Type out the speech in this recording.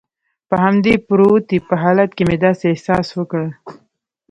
په همدې پروتې په حالت کې مې داسې احساس وکړل.